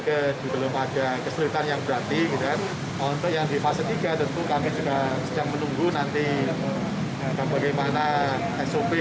kami berharap bahwa kita bisa mencari uji klinis vaksin merah putih